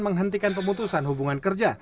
menghentikan pemutusan hubungan kerja